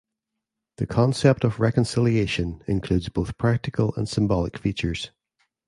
The concept of reconciliation includes both practical and symbolic features.